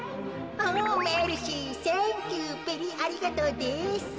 おメルシーサンキューベリーありがとうです。